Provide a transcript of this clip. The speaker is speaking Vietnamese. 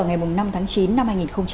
ngày năm tháng chín năm hai nghìn hai mươi